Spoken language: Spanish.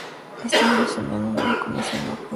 Ese año asumió una nueva comisión de apoyo.